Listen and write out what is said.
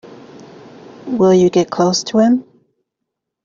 Will you get close to him?